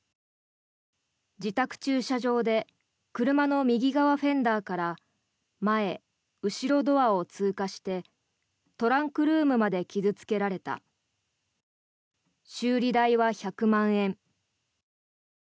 自宅駐車場で車の右側フェンダーから前・後ろドアを通過してトランクルームまで傷付けられた修理代は１００万円。